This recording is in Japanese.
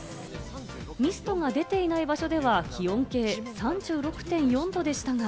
ミストが出ていない場所では気温計３６．４度でしたが。